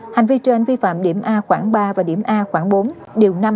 hành vi trên vi phạm điểm a khoảng ba và điểm a khoảng bốn điều năm